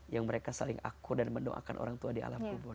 yang mereka saling akur dan mendoakan orang tua di alam kubur